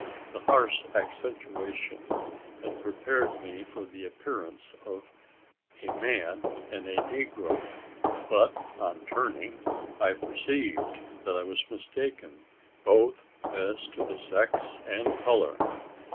The harsh accentuation had prepared me for the appearance of a man and a negro; but, on turning, I perceived that I was mistaken both as to the sex and colour.